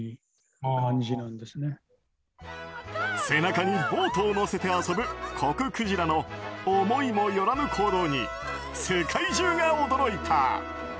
背中にボートを乗せて遊ぶコククジラの思いもよらぬ行動に世界中が驚いた。